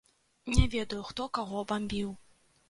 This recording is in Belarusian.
Не ведаю, хто каго бамбіў.